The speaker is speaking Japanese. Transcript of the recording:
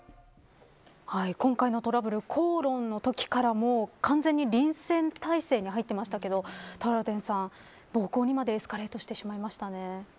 今回のトラブル口論のときからもう完全に臨戦態勢に入っていましたけどトラウデンさん暴行にまでエスカレートしてしまいましたね。